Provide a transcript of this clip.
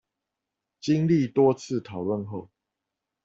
經歷多次討論後